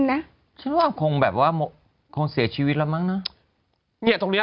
นะฉันว่าคงแบบว่าคงเสียชีวิตแล้วมั้งเนอะเนี้ยตรงเนี้ย